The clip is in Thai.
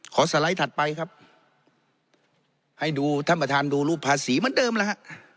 สไลด์ถัดไปครับให้ดูท่านประธานดูรูปภาษีเหมือนเดิมแล้วฮะ